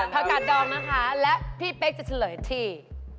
ผักกาดดองนะคะและพี่เป๊กจะเฉลยที่